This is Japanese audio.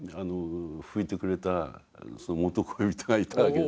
拭いてくれた元恋人がいたわけ。